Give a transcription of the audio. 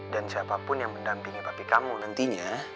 dan siapapun yang mendampingi papi kamu nantinya